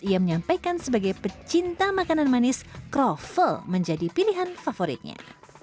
ia menyampaikan sebagai pecinta makanan manis kroffel menjadi pilihan favoritnya